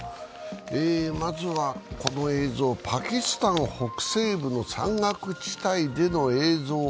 まずはこの映像、パキスタン北西部の山岳地帯での映像。